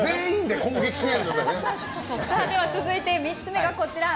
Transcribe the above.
続いて、３つ目がこちら。